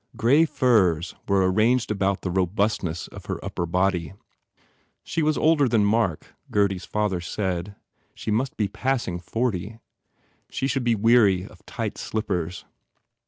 Grey furs were ar ranged about the robustness of her upper body. She was older than Mark, Gurdy s father said. She must be passing forty. She should be weary of tight slippers.